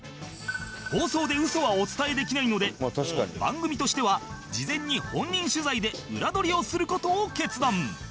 放送で嘘はお伝えできないので番組としては事前に本人取材で裏取りをする事を決断